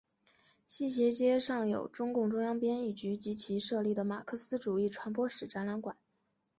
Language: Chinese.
西斜街上有中共中央编译局及其设立的马克思主义传播史展览馆。